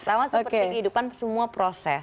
sama seperti kehidupan semua proses